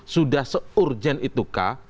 sudah se urgen itukah